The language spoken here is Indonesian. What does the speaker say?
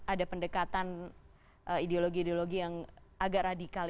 ada pendekatan ideologi ideologi yang agak radikal